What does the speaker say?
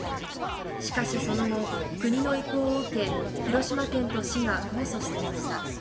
しかしその後、国の意向を受け、広島県と市が控訴していました。